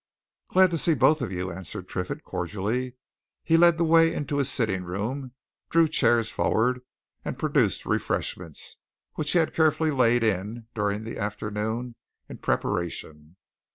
"Glad to see both of you," answered Triffitt, cordially. He led the way into his sitting room, drew chairs forward, and produced refreshments which he had carefully laid in during the afternoon in preparation.